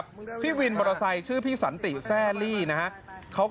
คิดว่าถ้าพักลางดิอิงว่าล่ะ